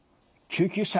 「救急車！